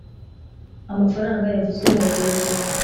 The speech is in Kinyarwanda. amafaranga yavuzwe haruguru cyane